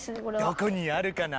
どこにあるかな？